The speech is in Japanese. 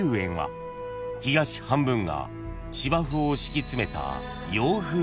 ［東半分が芝生を敷き詰めた］